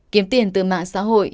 kiếm tiền từ mạng xã hội